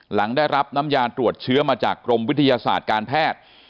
หลังได้รับน้ำยาตรวจเชื้อมาจากกรมวิทยาศาสตร์การแพทย์